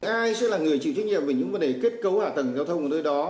ai sẽ là người chịu trách nhiệm về những vấn đề kết cấu hạ tầng giao thông ở nơi đó